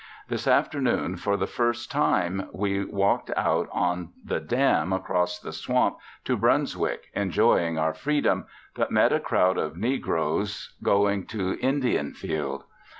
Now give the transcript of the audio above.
This afternoon, for the first time, we walked out on the dam across the swamp to Brunswick enjoying our freedom, but met a crowd of negroes going to Indianfield.